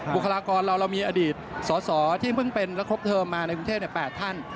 บุคลากรเราเรามีอดีตสอสอที่เพิ่งเป็นและครบเทอมมาในกรุงเทพ๘ท่าน